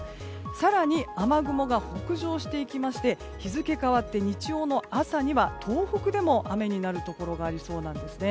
更に雨雲が北上していきまして日付変わって日曜の朝には東北でも雨になるところがありそうなんです。